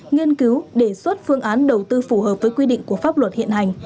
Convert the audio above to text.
nghiên cứu đề xuất phương án đầu tư phù hợp với quy định của pháp luật hiện hành